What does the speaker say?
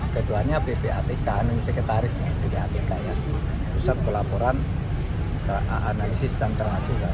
ketuanya ppatk anu sekretarisnya ppatk ya pusat pelaporan analisis transaksi keuangan